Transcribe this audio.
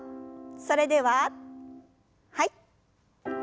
それでははい。